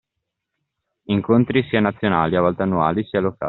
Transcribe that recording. Incontri sia nazionali (a volte annuali) sia locali.